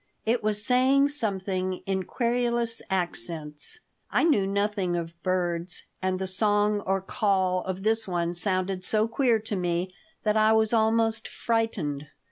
It was saying something in querulous accents. I knew nothing of birds, and the song or call of this one sounded so queer to me that I was almost frightened.